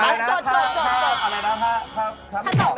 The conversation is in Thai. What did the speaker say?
ถ้าตอบไม่ได้